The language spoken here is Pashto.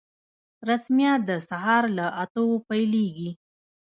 رسميات د سهار له اتو پیلیږي